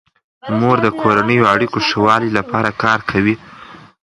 مور د کورنیو اړیکو ښه والي لپاره کار کوي.